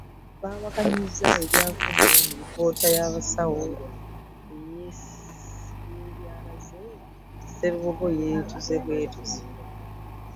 Bawakanyizza ebyavudde mu alipoota y'abasawo ebyalaze nti Sserubogo yeetuze bwetuzi